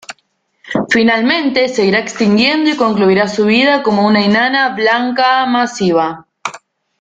Finalmente se irá extinguiendo y concluirá su vida como una enana blanca masiva.